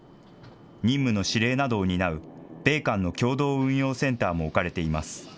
任務の指令などを担う米韓の共同運用センターも置かれています。